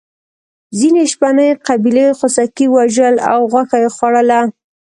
ځینې شپنې قبیلې خوسکي وژل او غوښه یې خوړله.